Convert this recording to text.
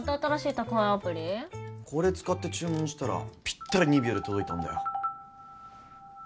これ使って注文したらぴったり２秒で届いたんだよ。